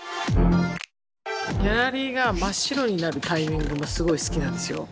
ギャラリーが真っ白になるタイミングもすごい好きなんですよ。